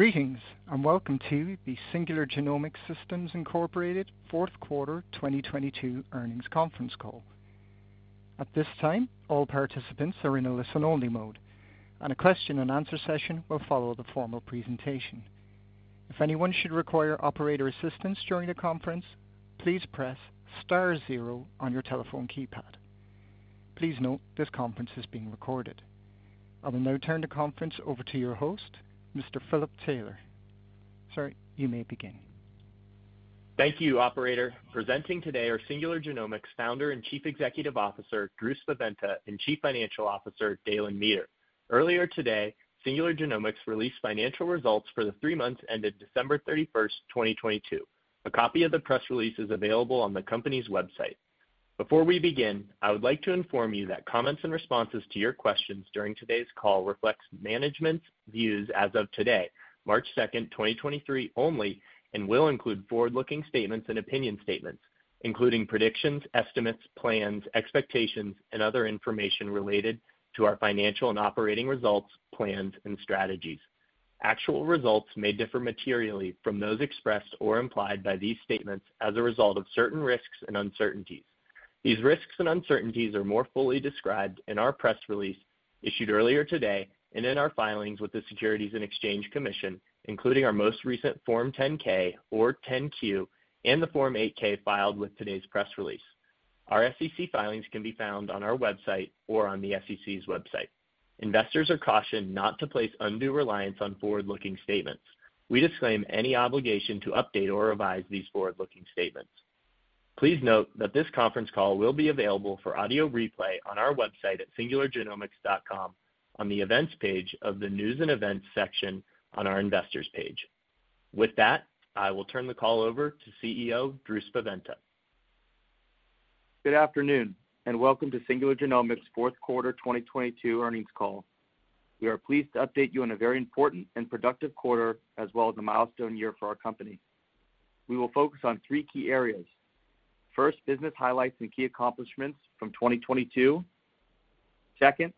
Greetings, and welcome to the Singular Genomics Systems, Inc. fourth quarter 2022 earnings conference call. At this time, all participants are in a listen-only mode, and a question and answer session will follow the formal presentation. If anyone should require operator assistance during the conference, please press star zero on your telephone keypad. Please note this conference is being recorded. I will now turn the conference over to your host, Mr. Philip Taylor. Sir, you may begin. Thank you, operator. Presenting today are Singular Genomics Founder and Chief Executive Officer, Drew Spaventa, and Chief Financial Officer, Dalen Meeter. Earlier today, Singular Genomics released financial results for the three months ended December 31st, 2022. A copy of the press release is available on the company's website. Before we begin, I would like to inform you that comments and responses to your questions during today's call reflects management's views as of today, March 2nd, 2023 only, and will include forward-looking statements and opinion statements, including predictions, estimates, plans, expectations, and other information related to our financial and operating results, plans, and strategies. Actual results may differ materially from those expressed or implied by these statements as a result of certain risks and uncertainties. These risks and uncertainties are more fully described in our press release issued earlier today and in our filings with the Securities and Exchange Commission, including our most recent Form 10-K or 10-Q, and the Form 8-K filed with today's press release. Our SEC filings can be found on our website or on the SEC's website. Investors are cautioned not to place undue reliance on forward-looking statements. We disclaim any obligation to update or revise these forward-looking statements. Please note that this conference call will be available for audio replay on our website at singulargenomics.com on the Events page of the News & Events section on our Investors page. With that, I will turn the call over to CEO, Drew Spaventa. Good afternoon, welcome to Singular Genomics fourth quarter 2022 earnings call. We are pleased to update you on a very important and productive quarter as well as a milestone year for our company. We will focus on three key areas. First, business highlights and key accomplishments from 2022. Second,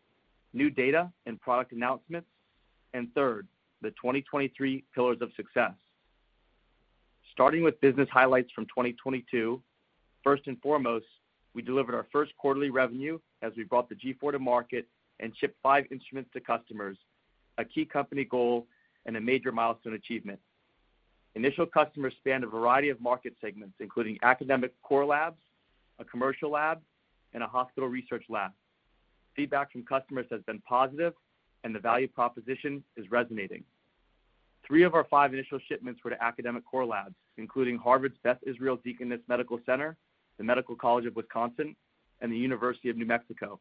new data and product announcements. Third, the 2023 pillars of success. Starting with business highlights from 2022, first and foremost, we delivered our first quarterly revenue as we brought the G4 to market and shipped five instruments to customers, a key company goal and a major milestone achievement. Initial customers spanned a variety of market segments, including academic core labs, a commercial lab, and a hospital research lab. Feedback from customers has been positive, and the value proposition is resonating. Three of our five initial shipments were to academic core labs, including Harvard's Beth Israel Deaconess Medical Center, the Medical College of Wisconsin, and the University of New Mexico.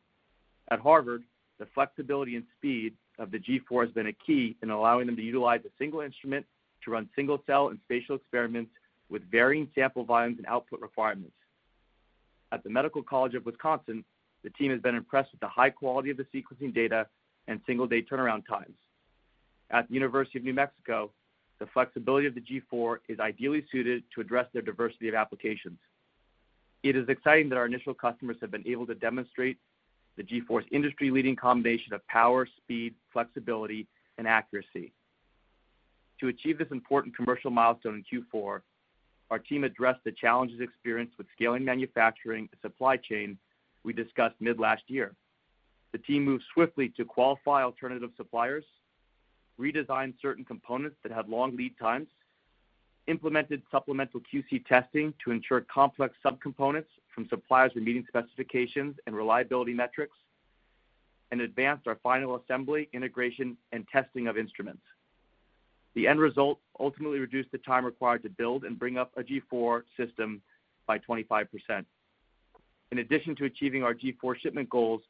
At Harvard, the flexibility and speed of the G4 has been a key in allowing them to utilize a single instrument to run single-cell and spatial experiments with varying sample volumes and output requirements. At the Medical College of Wisconsin, the team has been impressed with the high quality of the sequencing data and single day turnaround times. At the University of New Mexico, the flexibility of the G4 is ideally suited to address their diversity of applications. It is exciting that our initial customers have been able to demonstrate the G4's industry-leading combination of power, speed, flexibility, and accuracy. To achieve this important commercial milestone in Q4, our team addressed the challenges experienced with scaling manufacturing and supply chain we discussed mid last year. The team moved swiftly to qualify alternative suppliers, redesigned certain components that had long lead times, implemented supplemental QC testing to ensure complex subcomponents from suppliers were meeting specifications and reliability metrics, and advanced our final assembly, integration, and testing of instruments. The end result ultimately reduced the time required to build and bring up a G4 system by 25%. In addition to achieving our G4 shipment goals,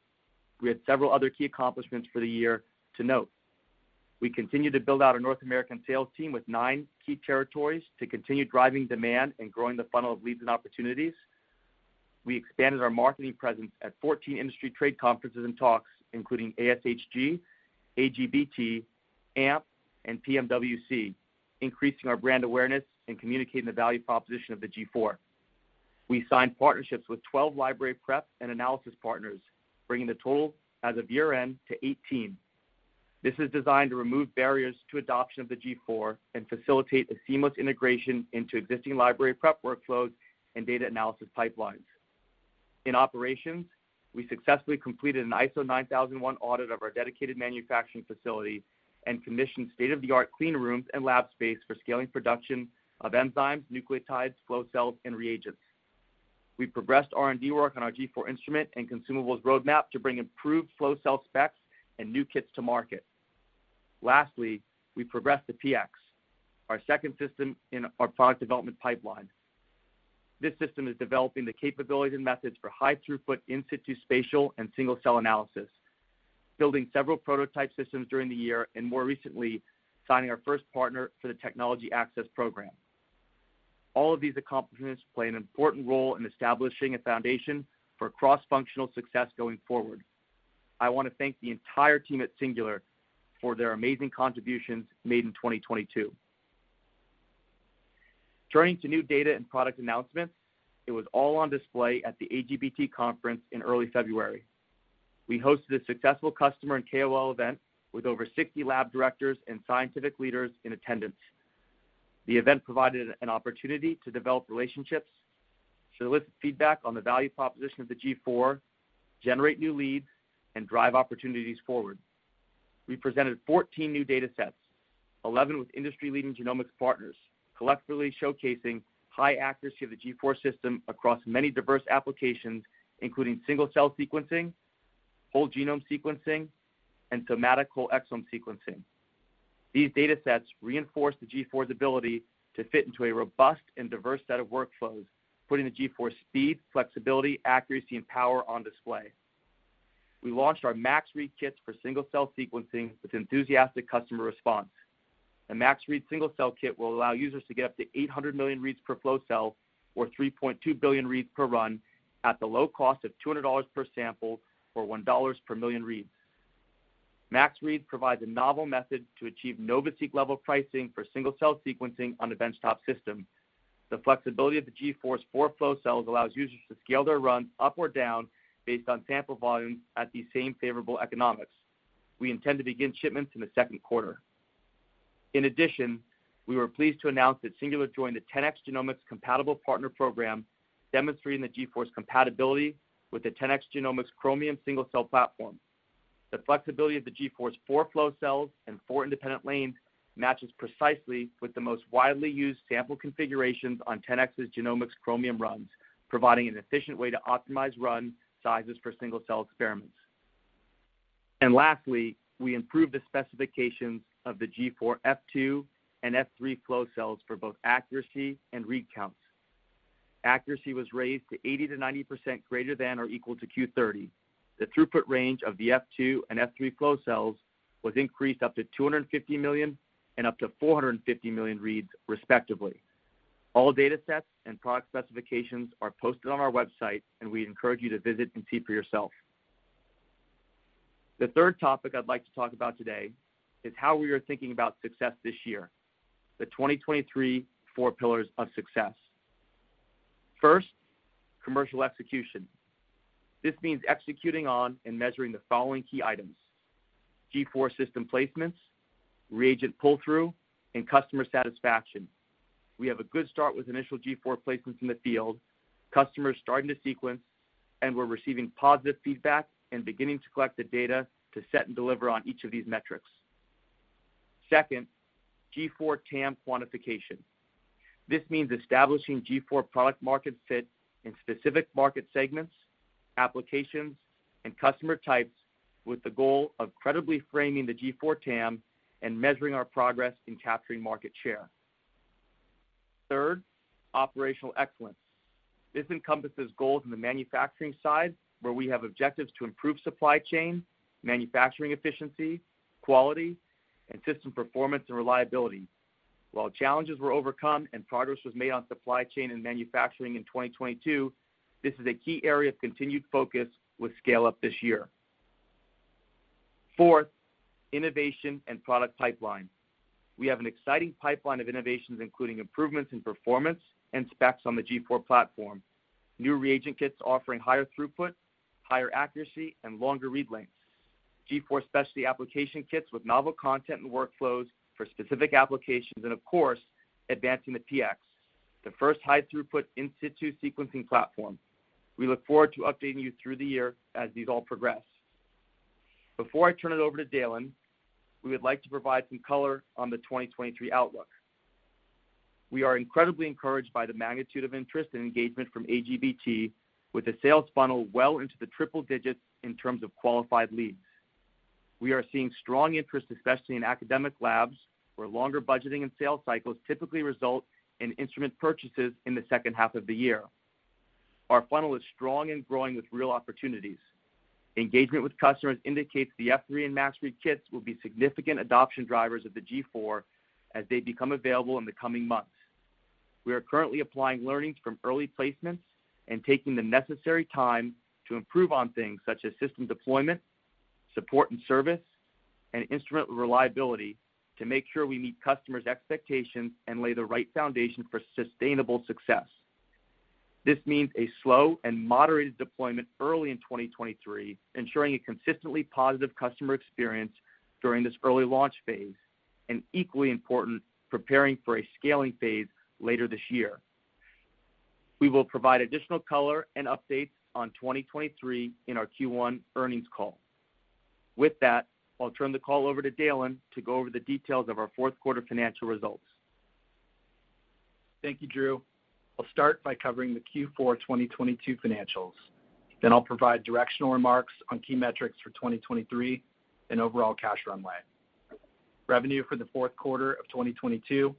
we had several other key accomplishments for the year to note. We continued to build out our North American sales team with nine key territories to continue driving demand and growing the funnel of leads and opportunities. We expanded our marketing presence at 14 industry trade conferences and talks, including ASHG, AGBT, AMP, and PMWC, increasing our brand awareness and communicating the value proposition of the G4. We signed partnerships with 12 library prep and analysis partners, bringing the total as of year-end to 18. This is designed to remove barriers to adoption of the G4 and facilitate a seamless integration into existing library prep workflows and data analysis pipelines. In operations, we successfully completed an ISO 9001 audit of our dedicated manufacturing facility and commissioned state-of-the-art clean rooms and lab space for scaling production of enzymes, nucleotides, flow cells, and reagents. We progressed R&D work on our G4 instrument and consumables roadmap to bring improved flow cell specs and new kits to market. We progressed the PX, our second system in our product development pipeline. This system is developing the capabilities and methods for high throughput in situ spatial and single-cell analysis, building several prototype systems during the year, and more recently, signing our first partner for the Technology Access Program. All of these accomplishments play an important role in establishing a foundation for cross-functional success going forward. I wanna thank the entire team at Singular for their amazing contributions made in 2022. Turning to new data and product announcements, it was all on display at the AGBT conference in early February. We hosted a successful customer and KOL event with over 60 lab directors and scientific leaders in attendance. The event provided an opportunity to develop relationships, solicit feedback on the value proposition of the G4, generate new leads, and drive opportunities forward. We presented 14 new data sets, 11 with industry-leading genomics partners, collectively showcasing high accuracy of the G4 system across many diverse applications, including single-cell sequencing, whole genome sequencing, and somatic whole exome sequencing. These data sets reinforce the G4's ability to fit into a robust and diverse set of workflows, putting the G4 speed, flexibility, accuracy, and power on display. We launched our Max Read kits for single-cell sequencing with enthusiastic customer response. The Max Read single-cell kit will allow users to get up to 800 million reads per flow cell or 3.2 billion reads per run at the low cost of $200 per sample or $1 per million reads. Max Read provides a novel method to achieve NovaSeq level pricing for single-cell sequencing on a benchtop system. The flexibility of the G4's four flow cells allows users to scale their run up or down based on sample volume at the same favorable economics. We intend to begin shipments in the second quarter. In addition, we were pleased to announce that Singular joined the 10x Genomics Compatible Partner Program, demonstrating the G4's compatibility with the 10x Genomics Chromium single-cell platform. The flexibility of the G4's 4 flow cells and 4 independent lanes matches precisely with the most widely used sample configurations on 10x's Genomics Chromium runs, providing an efficient way to optimize run sizes for single-cell experiments. Lastly, we improved the specifications of the G4 F2 and F3 flow cells for both accuracy and read counts. Accuracy was raised to 80%-90% greater than or equal to Q30. The throughput range of the F2 and F3 flow cells was increased up to 250 million and up to 450 million reads, respectively. All data sets and product specifications are posted on our website. We encourage you to visit and see for yourself. The third topic I'd like to talk about today is how we are thinking about success this year, the 2023 four pillars of success. First, commercial execution. This means executing on and measuring the following key items, G4 system placements, reagent pull-through, and customer satisfaction. We have a good start with initial G4 placements in the field, customers starting to sequence, and we're receiving positive feedback and beginning to collect the data to set and deliver on each of these metrics. Second, G4 TAM quantification. This means establishing G4 product market fit in specific market segments, applications, and customer types with the goal of credibly framing the G4 TAM and measuring our progress in capturing market share. Third, operational excellence. This encompasses goals in the manufacturing side, where we have objectives to improve supply chain, manufacturing efficiency, quality, and system performance and reliability. While challenges were overcome and progress was made on supply chain and manufacturing in 2022, this is a key area of continued focus with scale up this year. Fourth, innovation and product pipeline. We have an exciting pipeline of innovations, including improvements in performance and specs on the G4 platform, new reagent kits offering higher throughput, higher accuracy, and longer read lengths, G4 specialty application kits with novel content and workflows for specific applications, of course, advancing the PX, the first high throughput in situ sequencing platform. We look forward to updating you through the year as these all progress. Before I turn it over to Dalen, we would like to provide some color on the 2023 outlook. We are incredibly encouraged by the magnitude of interest and engagement from AGBT with the sales funnel well into the triple digits in terms of qualified leads. We are seeing strong interest, especially in academic labs, where longer budgeting and sales cycles typically result in instrument purchases in the second half of the year. Our funnel is strong and growing with real opportunities. Engagement with customers indicates the F3 and Max Read kits will be significant adoption drivers of the G4 as they become available in the coming months. We are currently applying learnings from early placements and taking the necessary time to improve on things such as system deployment, support and service, and instrument reliability to make sure we meet customers' expectations and lay the right foundation for sustainable success. This means a slow and moderated deployment early in 2023, ensuring a consistently positive customer experience during this early launch phase, and equally important, preparing for a scaling phase later this year. We will provide additional color and updates on 2023 in our Q1 earnings call. With that, I'll turn the call over to Dalen to go over the details of our fourth quarter financial results. Thank you, Drew. I'll start by covering the Q four 2022 financials. I'll provide directional remarks on key metrics for 2023 and overall cash runway. Revenue for the fourth quarter of 2022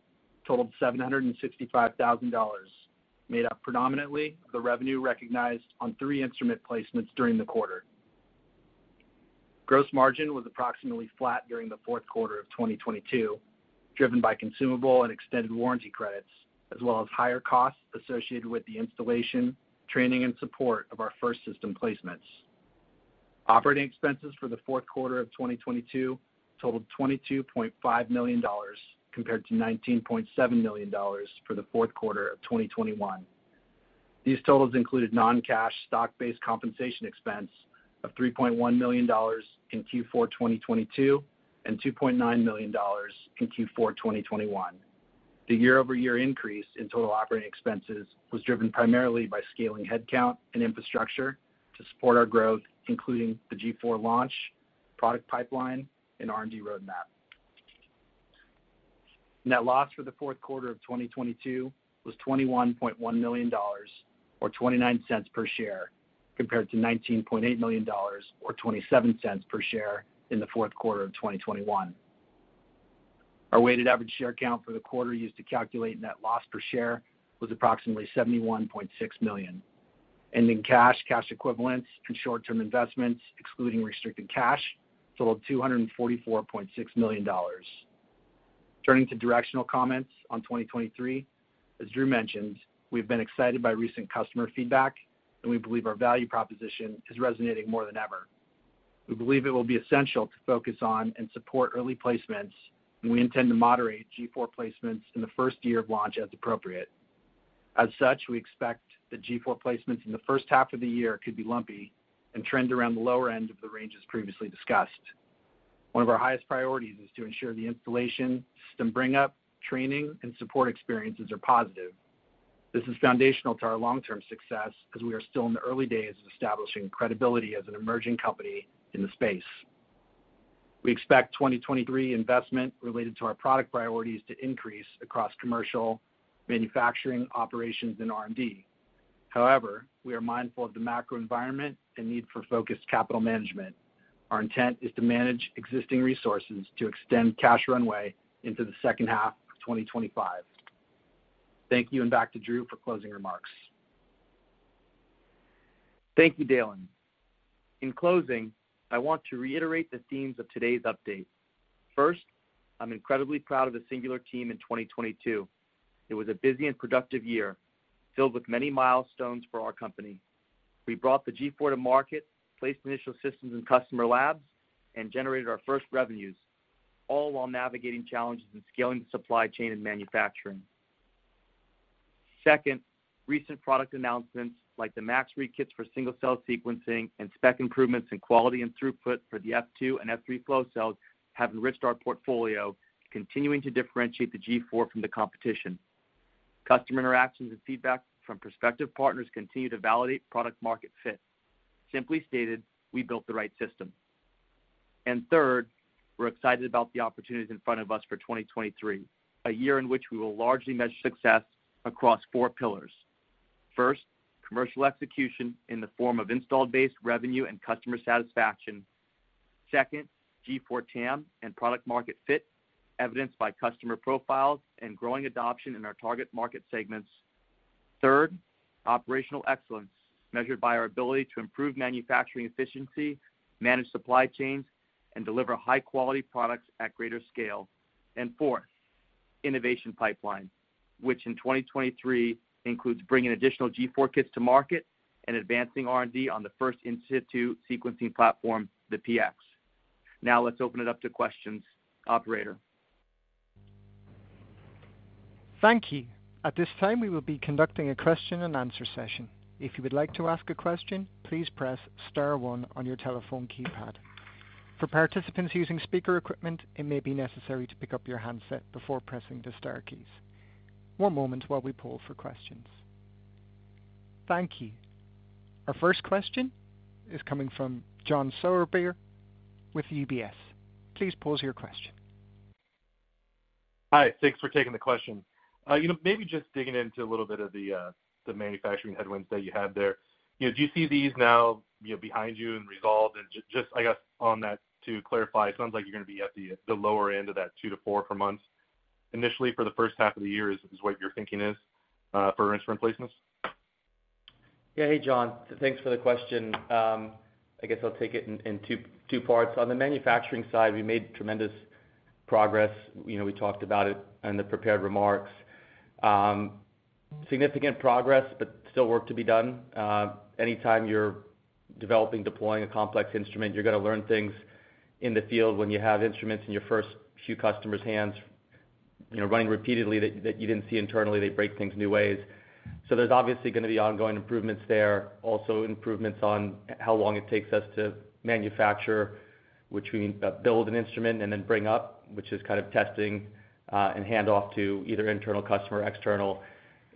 totaled $765,000, made up predominantly of the revenue recognized on three instrument placements during the quarter. Gross margin was approximately flat during the fourth quarter of 2022, driven by consumable and extended warranty credits, as well as higher costs associated with the installation, training, and support of our first system placements. Operating expenses for the fourth quarter of 2022 totaled $22.5 million compared to $19.7 million for the fourth quarter of 2021. These totals included non-cash stock-based compensation expense of $3.1 million in Q4 2022, and $2.9 million in Q4 2021. The year-over-year increase in total operating expenses was driven primarily by scaling headcount and infrastructure to support our growth, including the G4 launch, product pipeline, and R&D roadmap. Net loss for the fourth quarter of 2022 was $21.1 million or $0.29 per share, compared to $19.8 million or $0.27 per share in the fourth quarter of 2021. Our weighted average share count for the quarter used to calculate net loss per share was approximately 71.6 million. Ending cash equivalents, and short-term investments, excluding restricted cash, totaled $244.6 million. Turning to directional comments on 2023, as Drew mentioned, we've been excited by recent customer feedback, and we believe our value proposition is resonating more than ever. We believe it will be essential to focus on and support early placements, and we intend to moderate G4 placements in the first year of launch as appropriate. As such, we expect the G4 placements in the first half of the year could be lumpy and trend around the lower end of the range as previously discussed. One of our highest priorities is to ensure the installation, system bring up, training, and support experiences are positive. This is foundational to our long-term success because we are still in the early days of establishing credibility as an emerging company in the space. We expect 2023 investment related to our product priorities to increase across commercial, manufacturing, operations, and R&D. However, we are mindful of the macro environment and need for focused capital management. Our intent is to manage existing resources to extend cash runway into the second half of 2025. Thank you. Back to Drew for closing remarks. Thank you, Dalen. In closing, I want to reiterate the themes of today's update. First, I'm incredibly proud of the Singular team in 2022. It was a busy and productive year filled with many milestones for our company. We brought the G4 to market, placed initial systems in customer labs, and generated our first revenues, all while navigating challenges and scaling the supply chain and manufacturing. Second, recent product announcements, like the Max Read kits for single-cell sequencing and spec improvements in quality and throughput for the F2 and F3 flow cells, have enriched our portfolio, continuing to differentiate the G4 from the competition. Customer interactions and feedback from prospective partners continue to validate product market fit. Simply stated, we built the right system. Third, we're excited about the opportunities in front of us for 2023, a year in which we will largely measure success across four pillars. First, commercial execution in the form of installed base revenue and customer satisfaction. Second, G4 TAM and product market fit, evidenced by customer profiles and growing adoption in our target market segments. Third, operational excellence, measured by our ability to improve manufacturing efficiency, manage supply chains, and deliver high-quality products at greater scale. Fourth, innovation pipeline, which in 2023 includes bringing additional G4 kits to market and advancing R&D on the first in situ sequencing platform, the PX. Now let's open it up to questions. Operator. Thank you. At this time, we will be conducting a question-and-answer session. If you would like to ask a question, please press star one on your telephone keypad. For participants using speaker equipment, it may be necessary to pick up your handset before pressing the star keys. One moment while we poll for questions. Thank you. Our first question is coming from John Sourbeer with UBS. Please pose your question. Hi. Thanks for taking the question. You know, maybe just digging into a little bit of the manufacturing headwinds that you had there. You know, do you see these now, you know, behind you and resolved? Just, I guess, on that, to clarify, it sounds like you're gonna be at the lower end of that 2-4 per month initially for the first half of the year is what your thinking is for instrument placements. Yeah. Hey, John. Thanks for the question. I guess I'll take it in two parts. On the manufacturing side, we made tremendous progress. You know, we talked about it in the prepared remarks. Significant progress, but still work to be done. Anytime you're developing, deploying a complex instrument, you're gonna learn things in the field when you have instruments in your first few customers' hands, you know, running repeatedly that you didn't see internally, they break things new ways. There's obviously gonna be ongoing improvements there. Also, improvements on how long it takes us to manufacture, which we build an instrument and then bring up, which is kind of testing, and hand off to either internal customer or external.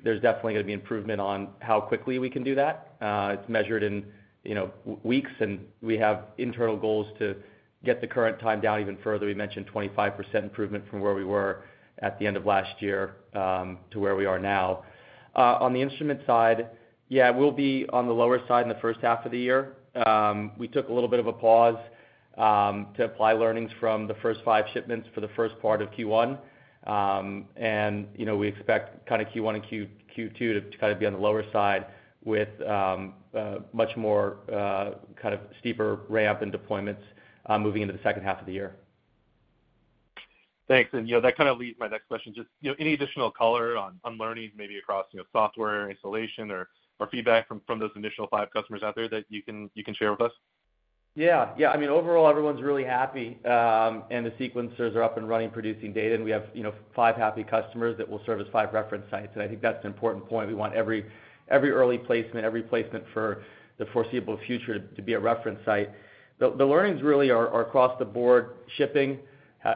There's definitely gonna be improvement on how quickly we can do that. It's measured in, you know, weeks, and we have internal goals to get the current time down even further. We mentioned 25% improvement from where we were at the end of last year to where we are now. On the instrument side, yeah, we'll be on the lower side in the first half of the year. We took a little bit of a pause to apply learnings from the first five shipments for the first part of Q1. You know, we expect kinda Q1 and Q2 to kind of be on the lower side with much more kind of steeper ramp in deployments moving into the second half of the year. Thanks. You know, that kind of leads my next question. Just, you know, any additional color on learnings maybe across, you know, software installation or feedback from those initial 5 customers out there that you can, you can share with us? Yeah. Yeah. I mean, overall, everyone's really happy. The sequencers are up and running, producing data. We have, you know, five happy customers that will serve as five reference sites. I think that's an important point. We want every early placement, every placement for the foreseeable future to be a reference site. The learnings really are across the board. Shipping,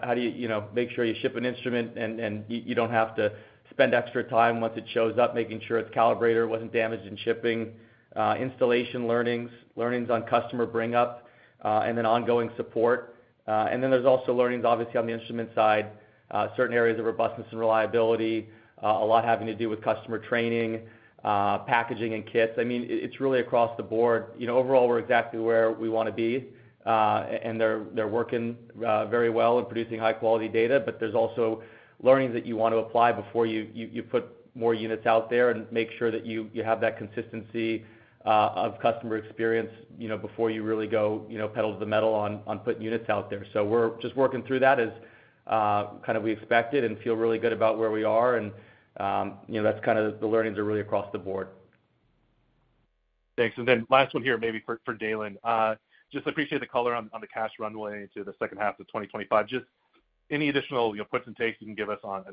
how do you know, make sure you ship an instrument and you don't have to spend extra time once it shows up, making sure its calibrator wasn't damaged in shipping. Installation learnings on customer bring up, then ongoing support. Then there's also learnings, obviously, on the instrument side, certain areas of robustness and reliability, a lot having to do with customer training, packaging and kits. I mean, it's really across the board. You know, overall, we're exactly where we wanna be, and they're working very well and producing high quality data, but there's also learnings that you want to apply before you put more units out there and make sure that you have that consistency, of customer experience, you know, before you really go, you know, pedal to the metal on putting units out there. We're just working through that as, kind of we expected and feel really good about where we are. You know, that's kind of the learnings are really across the board. Thanks. Last one here, maybe for Dalen. Just appreciate the color on the cash runway into the second half of 2025. Just any additional, you know, puts and takes you can give us on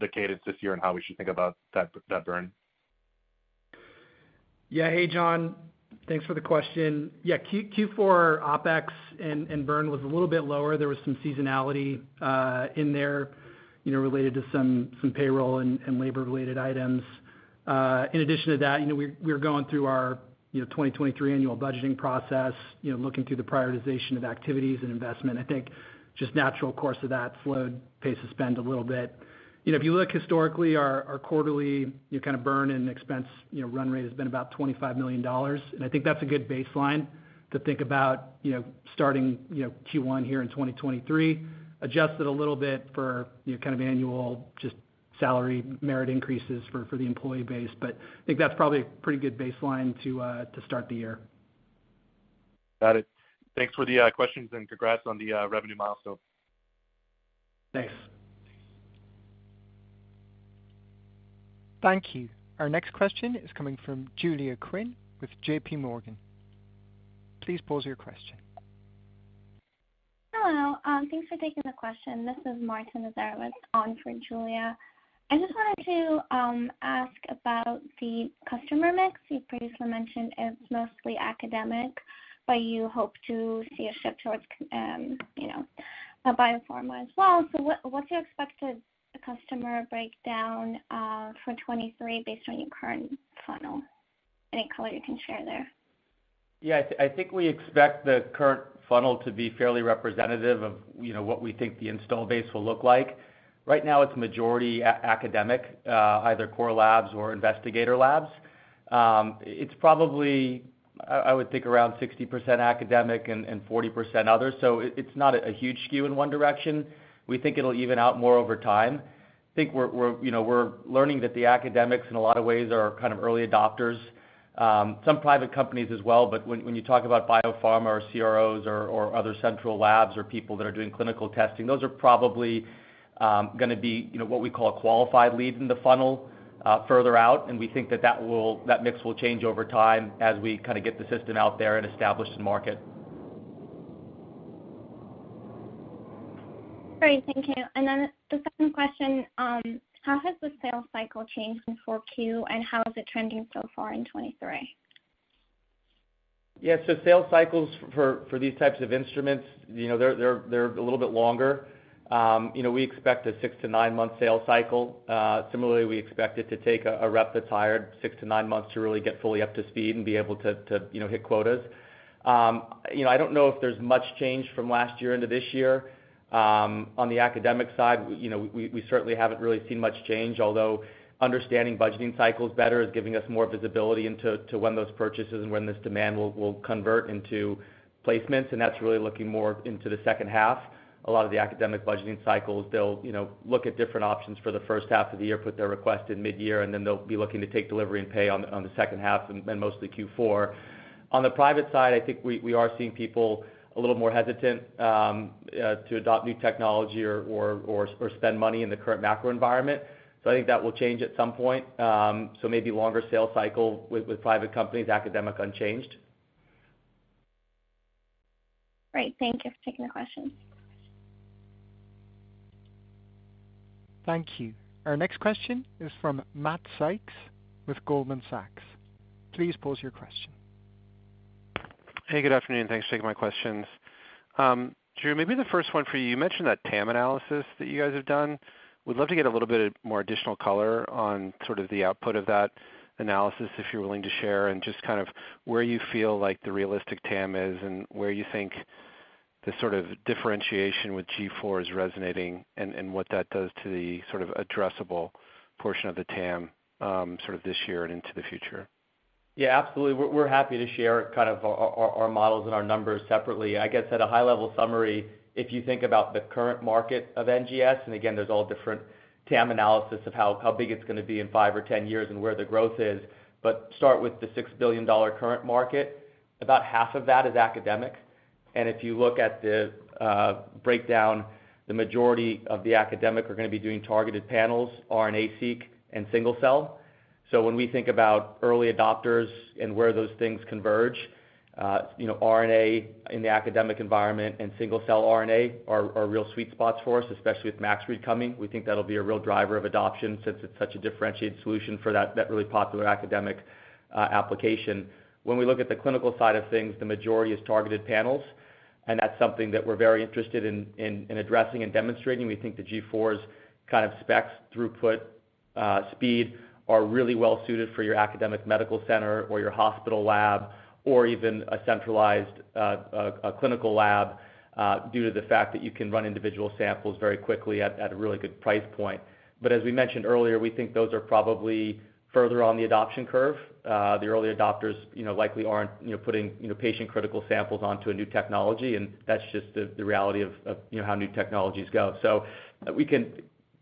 the cadence this year and how we should think about that burn? Yeah. Hey, John. Thanks for the question. Yeah, Q4 OpEx and burn was a little bit lower. There was some seasonality in there, you know, related to some payroll and labor related items. In addition to that, you know, we're going through our, you know, 2023 annual budgeting process, you know, looking through the prioritization of activities and investment. I think just natural course of that slowed pace of spend a little bit. You know, if you look historically, our quarterly, you know, kind of burn and expense, you know, run rate has been about $25 million, and I think that's a good baseline to think about, you know, starting, you know, Q1 here in 2023. Adjust it a little bit for, you know, kind of annual just salary merit increases for the employee base. I think that's probably a pretty good baseline to to start the year. Got it. Thanks for the questions, and congrats on the revenue milestone. Thanks. Thanks. Thank you. Our next question is coming from Julia Quinn with JPMorgan. Please pose your question. Hello. Thanks for taking the question. This is Marta Nazarovets. It's on for Julia. I just wanted to ask about the customer mix. You previously mentioned it's mostly academic, but you hope to see a shift towards, you know, biopharma as well. What's your expected customer breakdown for 2023 based on your current funnel? Any color you can share there? I think we expect the current funnel to be fairly representative of, you know, what we think the install base will look like. Right now, it's majority academic, either core labs or investigator labs. It's probably, I would think around 60% academic and 40% others. It's not a huge skew in one direction. We think it'll even out more over time. I think we're, you know, we're learning that the academics in a lot of ways are kind of early adopters, some private companies as well. When you talk about biopharma or CROs or other central labs or people that are doing clinical testing, those are probably gonna be, you know, what we call qualified leads in the funnel further out, and we think that mix will change over time as we kinda get the system out there and establish the market. Great. Thank you. The second question, how has the sales cycle changed in 4Q, and how is it trending so far in 23? Yeah. Sales cycles for these types of instruments, you know, they're a little bit longer. You know, we expect a 6-9 month sales cycle. Similarly, we expect it to take a rep that's hired 6-9 months to really get fully up to speed and be able to, you know, hit quotas. You know, I don't know if there's much change from last year into this year. On the academic side, we, you know, certainly haven't really seen much change, although understanding budgeting cycles better is giving us more visibility into when those purchases and when this demand will convert into placements, and that's really looking more into the second half. A lot of the academic budgeting cycles, they'll, you know, look at different options for the first half of the year, put their request in midyear, and then they'll be looking to take delivery and pay on the second half and mostly Q4. On the private side, I think we are seeing people a little more hesitant to adopt new technology or spend money in the current macro environment. I think that will change at some point. Maybe longer sales cycle with private companies, academic unchanged. Great. Thank you for taking the question. Thank you. Our next question is from Matt Sykes with Goldman Sachs. Please pose your question. Good afternoon, and thanks for taking my questions. Drew, maybe the first one for you. You mentioned that TAM analysis that you guys have done. Would love to get a little bit more additional color on sort of the output of that analysis, if you're willing to share, and just kind of where you feel like the realistic TAM is and where you think the sort of differentiation with G4 is resonating and what that does to the sort of addressable portion of the TAM, sort of this year and into the future. Yeah, absolutely. We're happy to share kind of our models and our numbers separately. I guess at a high level summary, if you think about the current market of NGS, and again, there's all different TAM analysis of how big it's gonna be in five or 10 years and where the growth is, but start with the $6 billion current market. About half of that is academic. If you look at the breakdown, the majority of the academic are gonna be doing targeted panels, RNA-seq, and single-cell. When we think about early adopters and where those things converge, you know, RNA in the academic environment and single-cell RNA are real sweet spots for us, especially with Max Read coming. We think that'll be a real driver of adoption since it's such a differentiated solution for that really popular academic application. We look at the clinical side of things, the majority is targeted panels, and that's something that we're very interested in addressing and demonstrating. We think the G4's kind of specs, throughput, speed are really well suited for your academic medical center or your hospital lab or even a centralized clinical lab due to the fact that you can run individual samples very quickly at a really good price point. As we mentioned earlier, we think those are probably further on the adoption curve. The early adopters, you know, likely aren't, you know, putting, you know, patient critical samples onto a new technology, and that's just the reality of, you know, how new technologies go. We can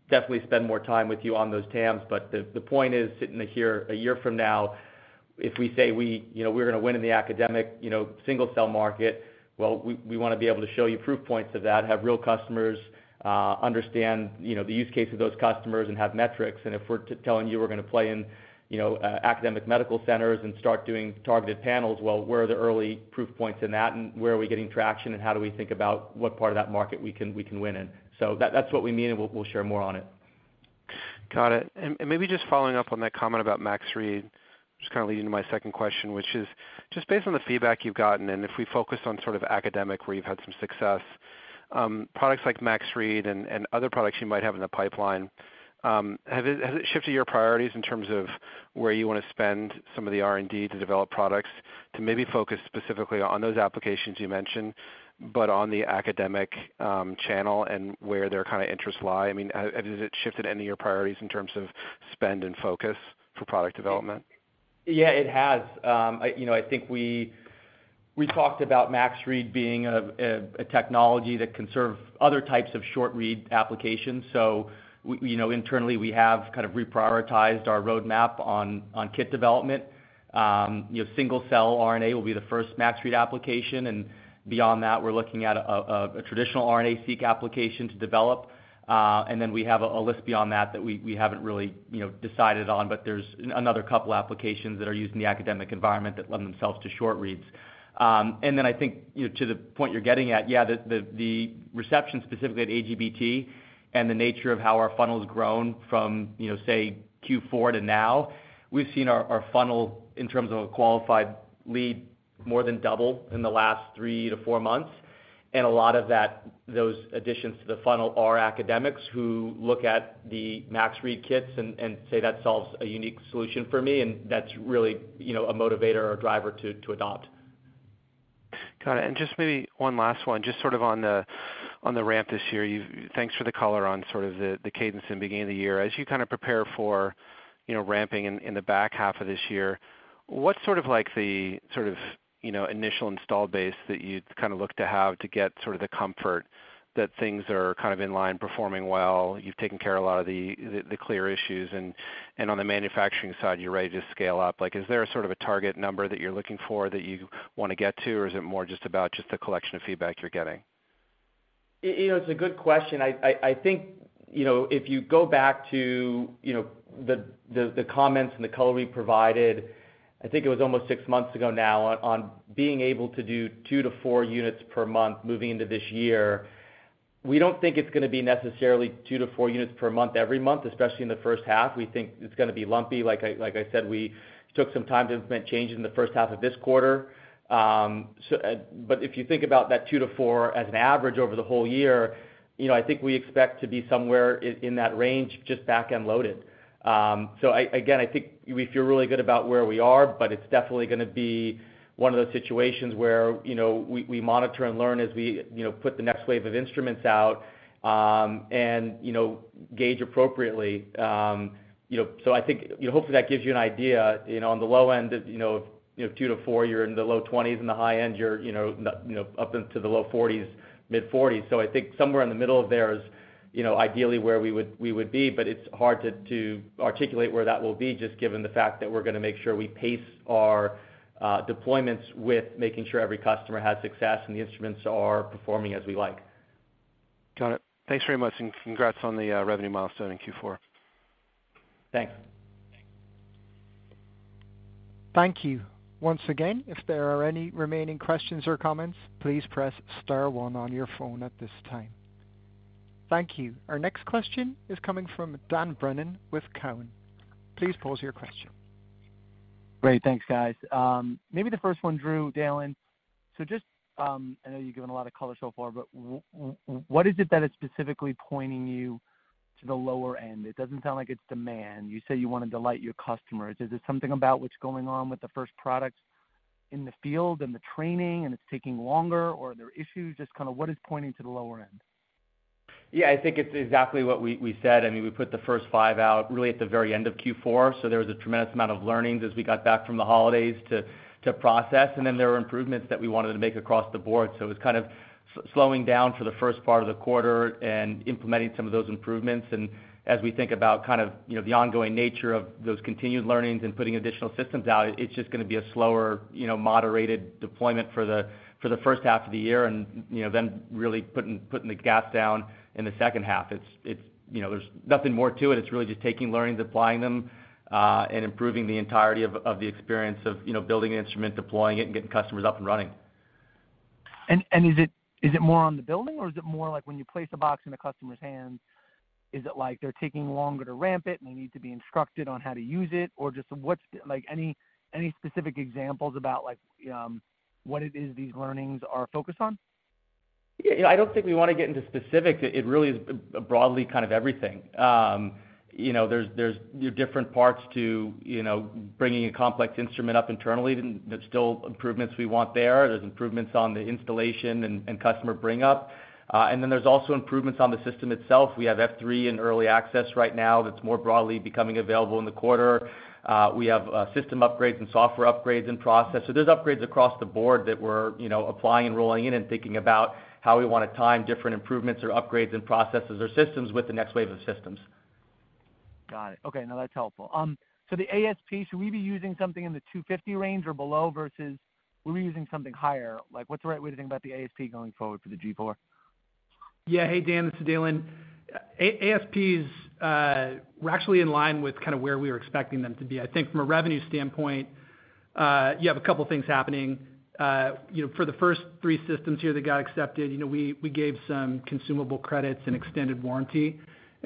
definitely spend more time with you on those TAMs. But the point is, sitting here a year from now, if we say we, you know, we're going to win in the academic, you know, single-cell market, well, we want to be able to show you proof points of that, have real customers, understand, you know, the use case of those customers and have metrics. If we're telling you we're gonna play in, you know, academic medical centers and start doing targeted panels, well, where are the early proof points in that and where are we getting traction, and how do we think about what part of that market we can win in? That's what we mean, and we'll share more on it. Got it. Maybe just following up on that comment about Max Read, just kinda leading to my second question, which is just based on the feedback you've gotten, and if we focus on sort of academic, where you've had some success, products like Max Read and other products you might have in the pipeline, has it shifted your priorities in terms of where you wanna spend some of the R&D to develop products to maybe focus specifically on those applications you mentioned, but on the academic channel and where their kind of interests lie? I mean, has it shifted any of your priorities in terms of spend and focus for product development? Yeah, it has. I, you know, I think we talked about Max Read being a technology that can serve other types of short read applications. We, you know, internally, we have kind of reprioritized our roadmap on kit development. You know, single-cell RNA will be the first Max Read application, and beyond that, we're looking at a traditional RNA-seq application to develop. Then we have a list beyond that that we haven't really, you know, decided on, but there's another couple applications that are used in the academic environment that lend themselves to short reads. I think, you know, to the point you're getting at, the reception specifically at AGBT and the nature of how our funnel's grown from, you know, say Q4 to now, we've seen our funnel in terms of a qualified lead more than double in the last 3-4 months. A lot of those additions to the funnel are academics who look at the Max Read kits and say, "That solves a unique solution for me," and that's really, you know, a motivator or driver to adopt. Got it. Just maybe one last one, just sort of on the ramp this year. Thanks for the color on sort of the cadence in the beginning of the year. As you kind of prepare for, you know, ramping in the back half of this year, what's sort of like the sort of, you know, initial install base that you'd kind of look to have to get sort of the comfort that things are kind of in line, performing well, you've taken care a lot of the clear issues, and on the manufacturing side, you're ready to scale up? Like, is there a sort of a target number that you're looking for, that you wanna get to, or is it more just about just the collection of feedback you're getting? You know, it's a good question. I think, you know, if you go back to, you know, the comments and the color we provided, I think it was almost six months ago now, on being able to do two to four units per month moving into this year, we don't think it's gonna be necessarily two to four units per month every month, especially in the first half. We think it's gonna be lumpy. Like I said, we took some time to implement change in the first half of this quarter. But if you think about that two to four as an average over the whole year, you know, I think we expect to be somewhere in that range, just back-end loaded. I again, I think we feel really good about where we are, but it's definitely gonna be one of those situations where, you know, we monitor and learn as we, you know, put the next wave of instruments out, and, you know, gauge appropriately. You know, I think, you know, hopefully, that gives you an idea. You know, on the low end of, you know, you know, 2-4, you're in the low 20s, in the high end, you're, you know, up into the low 40s, mid-40s. I think somewhere in the middle of there is, you know, ideally where we would be, but it's hard to articulate where that will be, just given the fact that we're gonna make sure we pace our deployments with making sure every customer has success and the instruments are performing as we like. Got it. Thanks very much, and congrats on the revenue milestone in Q4. Thanks. Thank you. Once again, if there are any remaining questions or comments, please press star one on your phone at this time. Thank you. Our next question is coming from Dan Brennan with Cowen. Please pose your question. Great. Thanks, guys. Maybe the first one, Drew, Dalen. I know you've given a lot of color so far, but what is it that is specifically pointing you to the lower end? It doesn't sound like it's demand. You say you wanna delight your customers. Is it something about what's going on with the first products in the field and the training, and it's taking longer, or are there issues? Just kind of what is pointing to the lower end? Yeah. I think it's exactly what we said. I mean, we put the first five out really at the very end of Q4. There was a tremendous amount of learnings as we got back from the holidays to process. There were improvements that we wanted to make across the board. It was kind of slowing down for the first part of the quarter and implementing some of those improvements. As we think about kind of, you know, the ongoing nature of those continued learnings and putting additional systems out, it's just gonna be a slower, you know, moderated deployment for the first half of the year. You know, really putting the gas down in the second half. It's, you know, there's nothing more to it. It's really just taking learnings, applying them, and improving the entirety of the experience of, you know, building an instrument, deploying it, and getting customers up and running. Is it more on the building or is it more like when you place a box in a customer's hands, is it like they're taking longer to ramp it and they need to be instructed on how to use it? Just what's like, any specific examples about, like, what it is these learnings are focused on? Yeah, I don't think we wanna get into specifics. It really is broadly kind of everything. you know, there's different parts to, you know, bringing a complex instrument up internally. There's still improvements we want there. There's improvements on the installation and customer bring up. Then there's also improvements on the system itself. We have F3 in early access right now that's more broadly becoming available in the quarter. we have, system upgrades and software upgrades in process. There's upgrades across the board that we're, you know, applying and rolling in and thinking about how we wanna time different improvements or upgrades and processes or systems with the next wave of systems. Got it. Okay. No, that's helpful. The ASP, should we be using something in the 250 range or below versus we're using something higher? Like, what's the right way to think about the ASP going forward for the G4? Yeah. Hey, Dan, it's Dalen. ASP is, we're actually in line with kind of where we were expecting them to be. I think from a revenue standpoint, you have a couple of things happening. You know, for the first three systems here that got accepted, you know, we gave some consumable credits and extended warranty.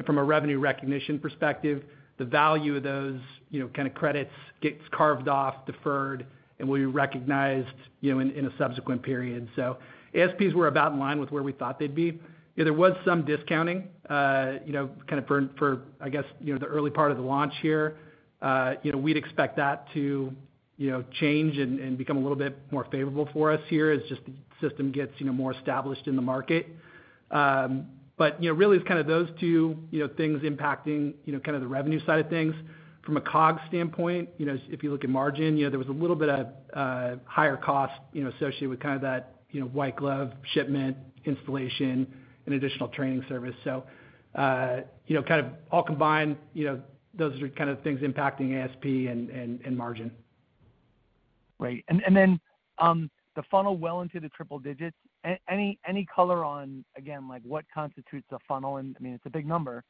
From a revenue recognition perspective, the value of those, you know, kind of credits gets carved off, deferred, and will be recognized, you know, in a subsequent period. ASPs were about in line with where we thought they'd be. There was some discounting, you know, kind of for, I guess, you know, the early part of the launch here. You know, we'd expect that to, you know, change and become a little bit more favorable for us here as just the system gets, you know, more established in the market. You know, really it's kind of those two, you know, things impacting, you know, kind of the revenue side of things. From a COG standpoint, you know, if you look at margin, you know, there was a little bit of higher cost, you know, associated with kind of that, you know, white glove shipment, installation, and additional training service. You know, kind of all combined, you know, those are kind of things impacting ASP and, and margin. Right. The funnel well into the triple digits. Any color on, again, like, what constitutes a funnel? I mean, it's a big number.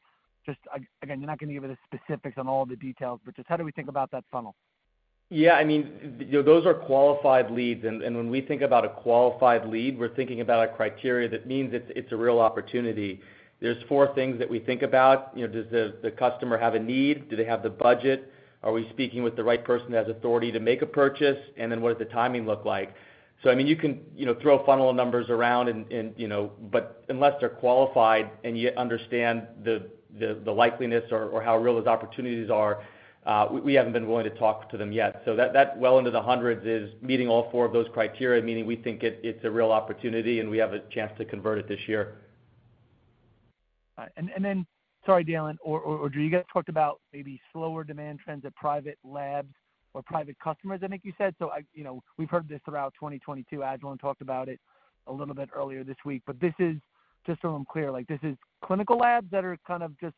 Just again, you're not gonna give it specifics on all the details, but just how do we think about that funnel? Yeah, I mean, those are qualified leads. When we think about a qualified lead, we're thinking about a criteria that means it's a real opportunity. There's four things that we think about. You know, does the customer have a need? Do they have the budget? Are we speaking with the right person that has authority to make a purchase? Then what does the timing look like? I mean, you can, you know, throw funnel numbers around and, you know, but unless they're qualified and you understand the likeliness or how real those opportunities are, we haven't been willing to talk to them yet. That well into the hundreds is meeting all four of those criteria, meaning we think it's a real opportunity and we have a chance to convert it this year. All right. Sorry, Dalen or Drew, you guys talked about maybe slower demand trends at private labs or private customers, I think you said. You know, we've heard this throughout 2022. Agilent talked about it a little bit earlier this week. This is, just so I'm clear, like, this is clinical labs that are kind of just,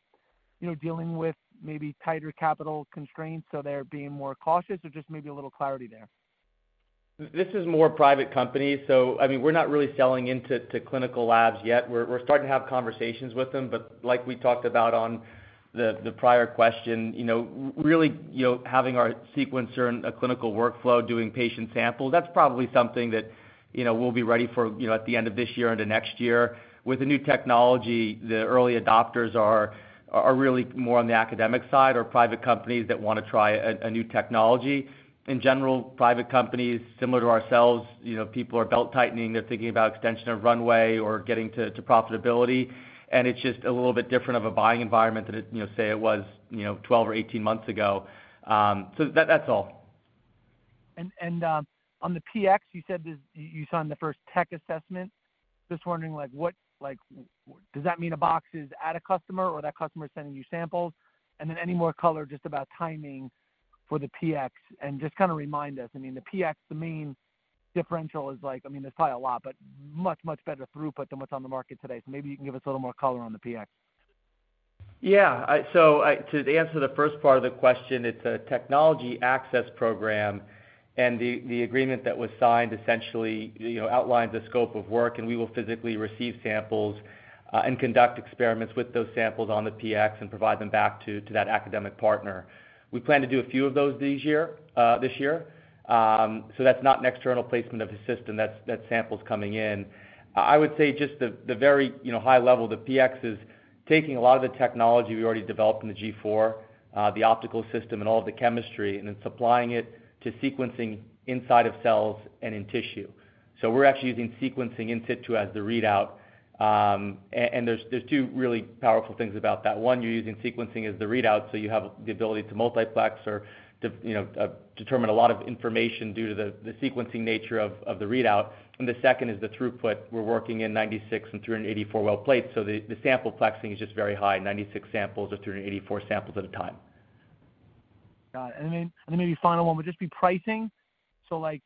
you know, dealing with maybe tighter capital constraints, so they're being more cautious, or just maybe a little clarity there. This is more private companies. I mean, we're not really selling into clinical labs yet. We're starting to have conversations with them. Like we talked about on the prior question, you know, really, you know, having our sequencer in a clinical workflow, doing patient samples, that's probably something that, you know, we'll be ready for, you know, at the end of this year or into next year. With the new technology, the early adopters are really more on the academic side or private companies that wanna try a new technology. In general, private companies similar to ourselves, you know, people are belt-tightening. They're thinking about extension of runway or getting to profitability, and it's just a little bit different of a buying environment than it, you know, say it was, you know, 12 or 18 months ago. That's all. On the PX, you said that you signed the first tech assessment. Just wondering, like, what, like, does that mean a box is at a customer or that customer is sending you samples? Then any more color just about timing for the PX and just kinda remind us. I mean, the PX, the main differential is like, I mean, there's probably a lot, but much better throughput than what's on the market today. Maybe you can give us a little more color on the PX. To answer the first part of the question, it's a Technology Access Program, and the agreement that was signed essentially, you know, outlines the scope of work, and we will physically receive samples, and conduct experiments with those samples on the PX and provide them back to that academic partner. We plan to do a few of those this year. That's not an external placement of the system. That's samples coming in. I would say just the very, you know, high level, the PX is taking a lot of the technology we already developed in the G4, the optical system and all of the chemistry, and then supplying it to sequencing inside of cells and in tissue. We're actually using sequencing in situ as the readout. There's two really powerful things about that. One, you're using sequencing as the readout, so you have the ability to multiplex or you know, determine a lot of information due to the sequencing nature of the readout, and the second is the throughput. We're working in 96 and 384 well plates, so the sample plexing is just very high, 96 samples or 384 samples at a time. Got it. Maybe final one would just be pricing. Like,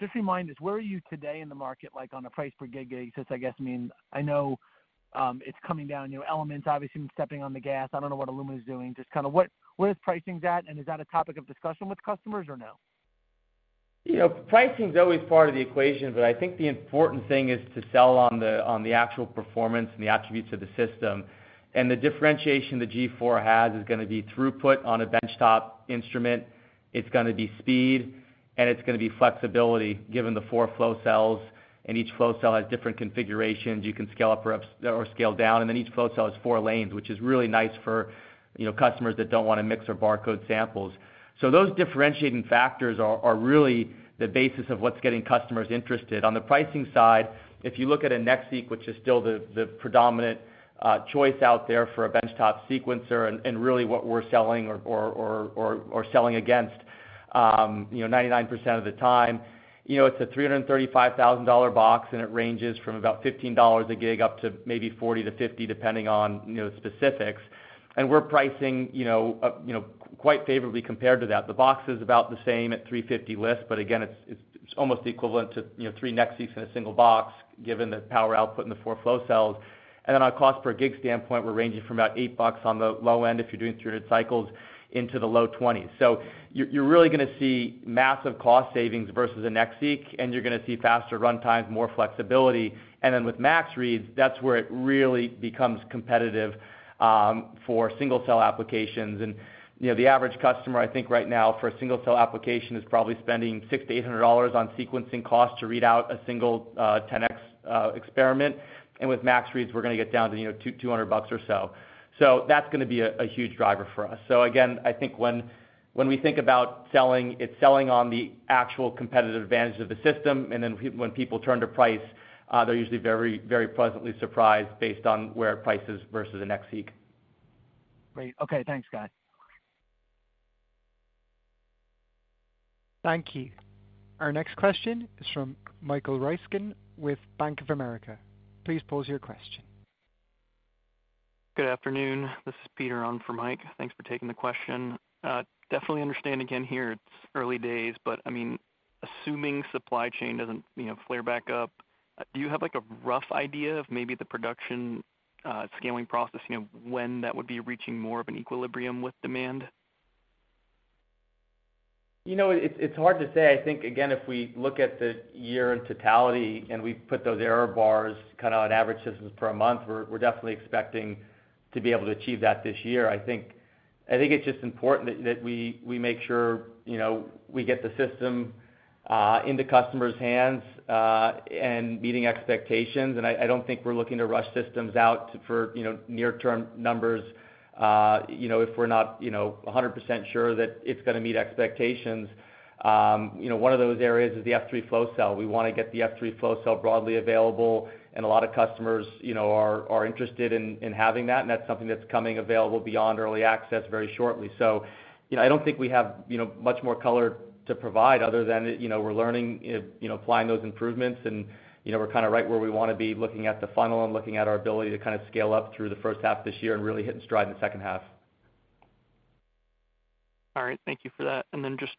just remind us, where are you today in the market, like, on a price per gigabase, I guess, I mean, I know it's coming down, you know, Element, obviously stepping on the gas. I don't know what Illumina is doing. Just kinda what, where is pricing at, and is that a topic of discussion with customers or no? You know, pricing's always part of the equation, but I think the important thing is to sell on the, on the actual performance and the attributes of the system. The differentiation the G4 has is gonna be throughput on a benchtop instrument. It's gonna be speed. It's gonna be flexibility given the four flow cells, and each flow cell has different configurations. You can scale up or scale down, and then each flow cell has four lanes, which is really nice for, you know, customers that don't wanna mix or barcode samples. Those differentiating factors are really the basis of what's getting customers interested. On the pricing side, if you look at a NextSeq, which is still the predominant choice out there for a benchtop sequencer and really what we're selling or selling against, you know, 99% of the time, you know, it's a $335,000 box. It ranges from about $15 a gig up to maybe $40-$50 depending on, you know, specifics. We're pricing, you know, quite favorably compared to that. The box is about the same at $350 list. Again, it's almost equivalent to, you know, 3 NextSeq in a single box, given the power output and the four flow cells. Our cost per gig standpoint, we're ranging from about $8 on the low end if you're doing 300 cycles into the low $20s. You're really gonna see massive cost savings versus a NextSeq, and you're gonna see faster run times, more flexibility. With Max Read, that's where it really becomes competitive for single-cell applications. You know, the average customer, I think right now for a single-cell application, is probably spending $600-$800 on sequencing costs to read out a single 10x experiment. With Max Read, we're gonna get down to, you know, $200 or so. That's gonna be a huge driver for us. Again, I think when we think about selling, it's selling on the actual competitive advantage of the system, and then when people turn to price, they're usually very, very pleasantly surprised based on where it prices versus a NextSeq. Great. Okay, thanks Guy. Thank you. Our next question is from Michael Ryskin with Bank of America. Please pose your question. Good afternoon. This is Peter on for Mike. Thanks for taking the question. Definitely understand, again, here it's early days, but, I mean, assuming supply chain doesn't, you know, flare back up, do you have like a rough idea of maybe the production scaling process, you know, when that would be reaching more of an equilibrium with demand? You know, it's hard to say. I think, again, if we look at the year in totality and we put those error bars kind of on average systems per month, we're definitely expecting to be able to achieve that this year. I think it's just important that we make sure, you know, we get the system in the customer's hands and meeting expectations. I don't think we're looking to rush systems out for, you know, near term numbers, you know, if we're not, you know, 100% sure that it's gonna meet expectations. You know, one of those areas is the F3 flow cell. We wanna get the F3 flow cell broadly available, and a lot of customers, you know, are interested in having that, and that's something that's coming available beyond early access very shortly. You know, I don't think we have, you know, much more color to provide other than, you know, we're learning, you know, applying those improvements and, you know, we're kinda right where we wanna be, looking at the funnel and looking at our ability to kind of scale up through the first half this year and really hit in stride in the second half. All right. Thank you for that. Just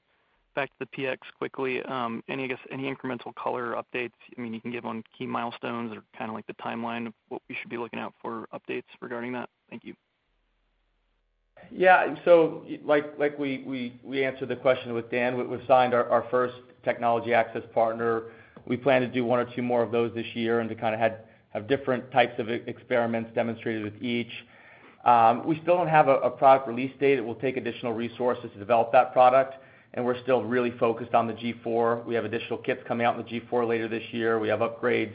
back to the PX quickly. Any, I guess, any incremental color updates, I mean, you can give on key milestones or kinda like the timeline of what we should be looking out for updates regarding that? Thank you. Like we answered the question with Dan. We signed our first technology access partner. We plan to do one or two more of those this year and to kinda have different types of e-experiments demonstrated with each. We still don't have a product release date. It will take additional resources to develop that product, and we're still really focused on the G4. We have additional kits coming out in the G4 later this year. We have upgrades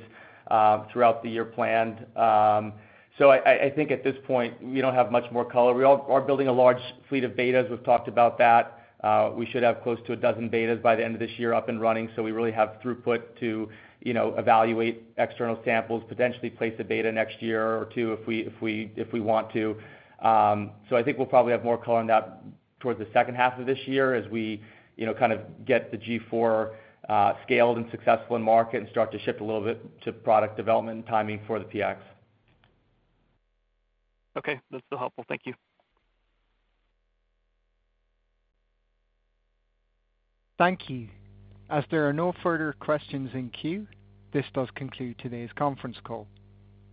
throughout the year planned. I think at this point, we don't have much more color. We are building a large fleet of betas. We've talked about that. We should have close to 12 betas by the end of this year up and running, we really have throughput to, you know, evaluate external samples, potentially place a beta next one or two years if we want to. I think we'll probably have more color on that towards the second half of this year as we, you know, kind of get the G4 scaled and successful in market and start to shift a little bit to product development and timing for the PX. Okay. That's still helpful. Thank you. Thank you. As there are no further questions in queue, this does conclude today's conference call.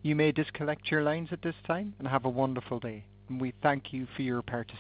You may disconnect your lines at this time and have a wonderful day, and we thank you for your participation.